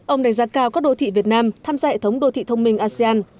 ông đánh giá cao các đô thị việt nam tham gia hệ thống đô thị thông minh asean